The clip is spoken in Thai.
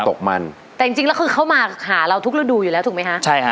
ตกมันแต่จริงจริงแล้วคือเขามาหาเราทุกฤดูอยู่แล้วถูกไหมคะใช่ฮะ